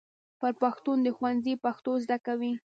بر پښتون د ښوونځي پښتو زده کوي.